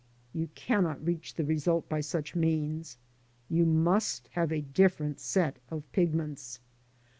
You cannot reach the result by such means; you must have a different set of pigments.